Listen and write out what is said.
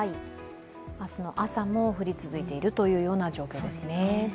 明日の朝も降り続いているというような状況ですね。